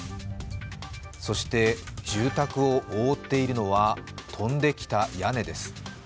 そして、住宅を覆っているのは、飛んできた屋根です。